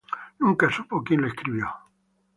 Nunca supo quien la escribió.